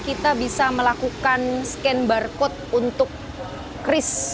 kita bisa melakukan scan barcode untuk kris